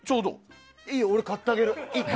いいよ、俺買ってあげる。